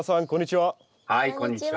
はいこんにちは。